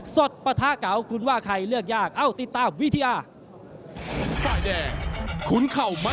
ปะทะเก่าคุณว่าใครเลือกยากเอ้าติดตามวิทยา